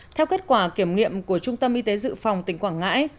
theo kết quả kiểm nghiệm của trung tâm y tế dự phòng tỉnh quảng ngãi